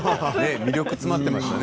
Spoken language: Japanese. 魅力が詰まっていましたね